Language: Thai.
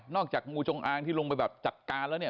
จากงูจงอางที่ลงไปแบบจัดการแล้วเนี่ย